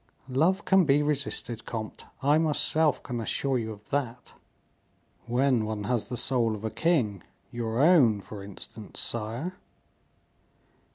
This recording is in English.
"Love can be resisted, comte. I myself can assure you of that." "When one has the soul of a king, your own, for instance, sire."